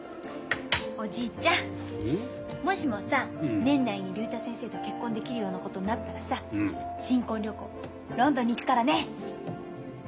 おじいちゃんもしもさ年内に竜太先生と結婚できるようなことになったらさ新婚旅行ロンドンに行くからね。